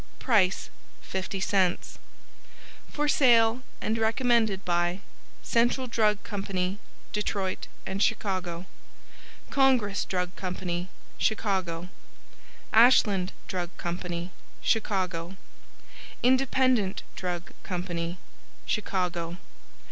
Price 50c For Sale and Recommended by Central Drug Co., Detroit & Chicago Congress Drug Co., Chicago Ashland Drug Co., Chicago Independent Drug Co., Chicago.